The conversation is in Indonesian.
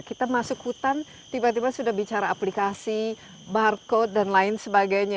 kita masuk hutan tiba tiba sudah bicara aplikasi barcode dan lain sebagainya